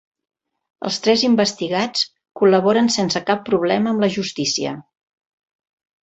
Els tres investigats col·laboren sense cap problema amb la justícia